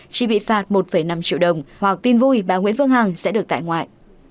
chỉ bị phạt một năm triệu đồng hoặc tin vui bà nguyễn vương hằng sẽ được tại ngoại